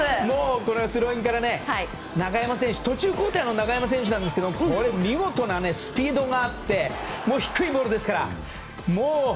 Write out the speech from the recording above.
もうこれはスローインから途中出場の中山選手なんですけど見事なスピードがあって低いボールですから。